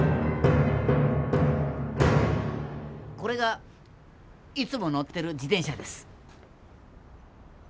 これがいつも乗ってる自転車です。